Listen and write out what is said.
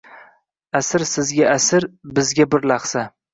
Asr sizga asr, bizga bir lahza